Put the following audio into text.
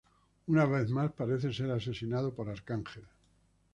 Una vez más, parece ser asesinado por Arcángel.